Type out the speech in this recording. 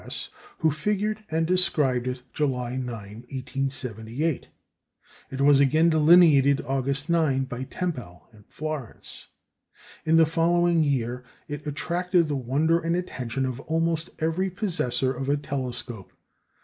S.), who figured and described it July 9, 1878. It was again delineated August 9, by Tempel at Florence. In the following year it attracted the wonder and attention of almost every possessor of a telescope.